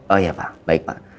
oh ya pak baik pak